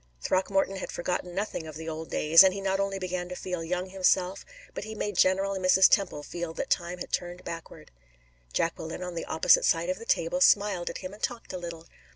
Throckmorton had forgotten nothing of the old days, and he not only began to feel young himself, but he made General and Mrs. Temple feel that time had turned backward. Jacqueline, on the opposite side of the table, smiled at him and talked a little.